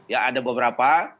ya ada beberapa